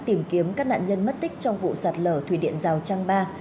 tìm kiếm các nạn nhân mất tích trong vụ sạt lở thủy điện rào trăng ba